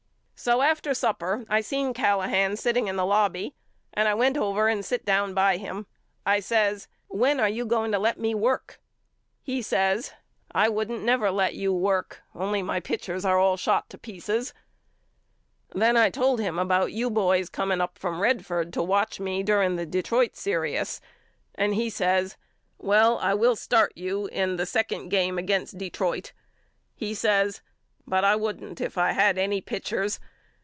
So after supper I seen Callahan sitting in the lobby and I went over and sit down by him. I says When are you going to let me work? He A RUSHER'S LETTERS HOME 37 says I wouldn't never let you work only my pitchers are all shot to pieces. Then I told him about you boys coming up from Redford to watch me during the Detroit serious and he says Well I will start you in the second game against De troit. He says Rut I wouldn't if I had any pitchers.